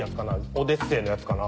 『オデッセイ』のやつかな？